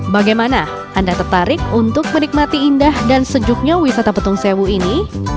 bagaimana anda tertarik untuk menikmati indah dan sejuknya wisata petung sewu ini